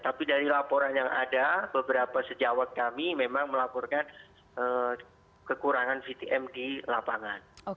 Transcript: tapi dari laporan yang ada beberapa sejawat kami memang melaporkan kekurangan vtm di lapangan